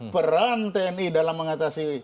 peran tni dalam mengatasi